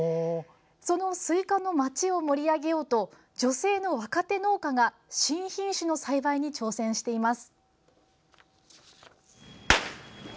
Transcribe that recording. そのスイカの町を盛り上げようと女性の若手農家が新品種の栽培に挑戦しています。